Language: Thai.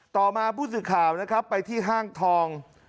ต่อมาผู้สื่อข่าวนะครับไปที่ห้างทอง